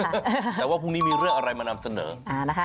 แต่ว่าพรุ่งนี้มีเรื่องอะไรมานำเสนอนะคะ